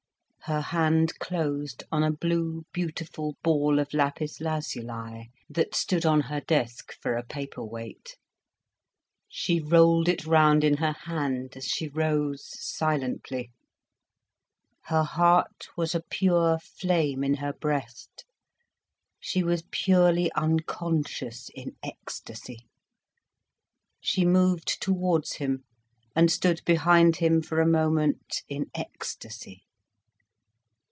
Her hand closed on a blue, beautiful ball of lapis lazuli that stood on her desk for a paper weight. She rolled it round in her hand as she rose silently. Her heart was a pure flame in her breast, she was purely unconscious in ecstasy. She moved towards him and stood behind him for a moment in ecstasy.